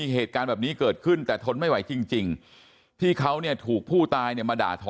เหตุการณ์แบบนี้เกิดขึ้นแต่ทนไม่ไหวจริงที่เขาเนี่ยถูกผู้ตายเนี่ยมาด่าทอ